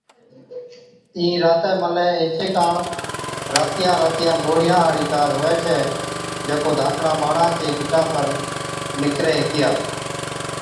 اِين راتَي ملَي ايڇي ڪاڻ راتِيان راتِيان گوڙهِيان هاڙِي ڪار هُوَي ڇَي جڪو ڌاڪڙان ٻاڙان چي گٽان پر نِڪري هِتِيا۔